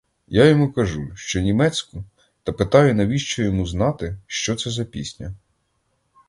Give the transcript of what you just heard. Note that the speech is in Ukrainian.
Я йому кажу, що німецьку, та питаю, навіщо йому знати, що це за пісня.